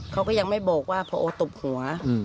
เขาก็ยังไม่บอกว่าพอโอตบหัว